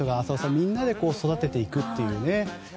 みんなで育てていくというね。